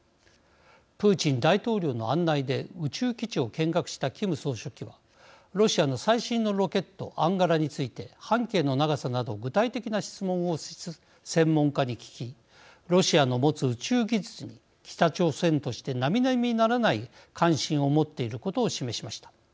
プーチン大統領の案内で宇宙基地を見学したキム総書記はロシアの最新のロケットアンガラについて半径の長さなど具体的な質問を専門家に聞きロシアの持つ宇宙技術に北朝鮮としてなみなみならない関心を持っていることを示しました。